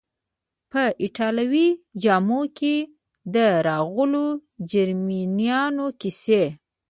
په ایټالوي جامو کې د راغلو جرمنیانو کیسه.